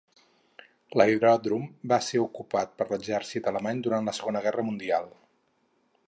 L'aeròdrom va ser ocupat per l'exèrcit alemany durant la Segona Guerra Mundial.